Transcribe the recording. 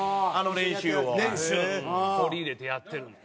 練習を取り入れてやってるんですよ。